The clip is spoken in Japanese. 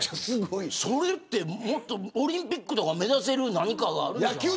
それって、オリンピックとか目指せる何かがあるんじゃ。